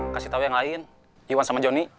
kasih tau yang lain iwan sama jonny